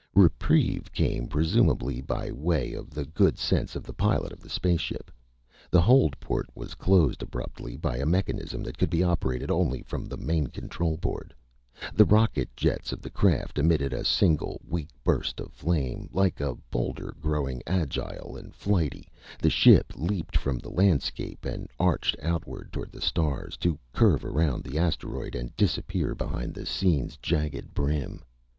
Reprieve came presumably by way of the good sense of the pilot of the space ship. The hold port was closed abruptly by a mechanism that could be operated only from the main control board. The rocket jets of the craft emitted a single weak burst of flame. Like a boulder grown agile and flighty, the ship leaped from the landscape, and arced outward toward the stars, to curve around the asteroid and disappear behind the scene's jagged brim.